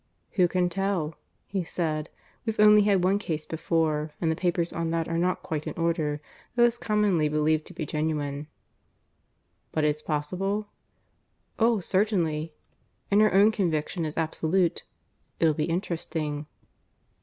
"Who can tell?" he said. "We've only had one case before, and the papers on that are not quite in order, though it's commonly believed to be genuine." "But it's possible?" "Oh, certainly. And her own conviction is absolute. It'll be interesting."